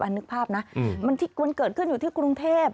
นึกภาพนะมันเกิดขึ้นอยู่ที่กรุงเทพ